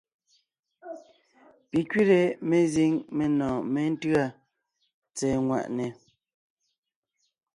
Pi kẅile mezíŋ menɔ̀ɔn méntʉ́a tsɛ̀ɛ ŋwàʼne.